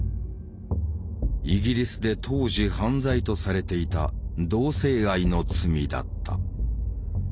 イギリスで当時犯罪とされていた同性愛の罪だった。